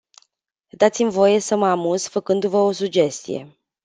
Dați-mi voie să mă amuz făcându-vă o sugestie.